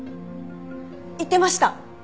言ってました！